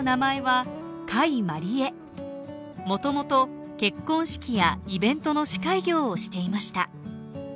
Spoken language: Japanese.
もともと結婚式やイベントの司会業をしていました。